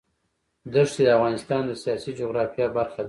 دښتې د افغانستان د سیاسي جغرافیه برخه ده.